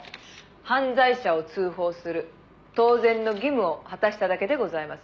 「犯罪者を通報する」「当然の義務を果たしただけでございます」